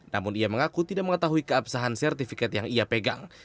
namun ia mengaku tidak mengetahui keabsahan sertifikat yang ia pegang